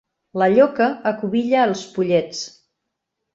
La lloca acubilla els pollets.